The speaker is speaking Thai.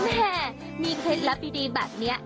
แม่มีใครรับดีแบบนี้